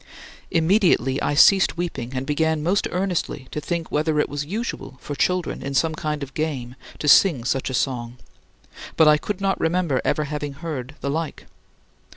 " Immediately I ceased weeping and began most earnestly to think whether it was usual for children in some kind of game to sing such a song, but I could not remember ever having heard the like.